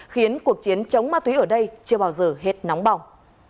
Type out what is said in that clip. khiến cuộc chiến chống ma túy ở đây chưa bao giờ hết nóng bỏng